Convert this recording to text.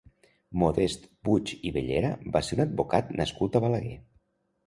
Modest Puig i Bellera va ser un advocat nascut a Balaguer.